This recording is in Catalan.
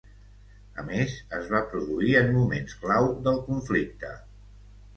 A més es va produir en moments clau del conflicte.